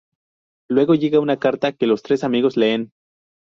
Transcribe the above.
Luego llega una carta que los tres amigos leen.